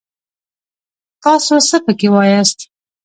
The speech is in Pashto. تاڅو څه پکې واياست!